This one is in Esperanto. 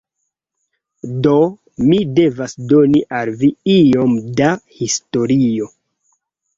Do, mi devas doni al vi iom da historio.